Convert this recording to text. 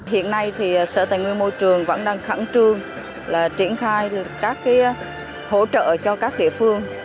hiện nay sở tài nguyên môi trường vẫn đang khẳng trương triển khai hỗ trợ cho các địa phương